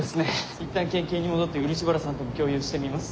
いったん県警に戻って漆原さんとも共有してみます。